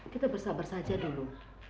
kita bersabar saja dulu